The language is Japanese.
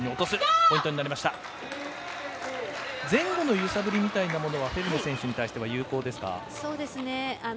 前後の揺さぶりみたいなものはフェルネ選手に対しては有効ですか？